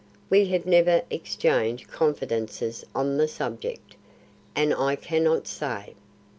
We have never exchanged confidences on the subject, and I cannot say.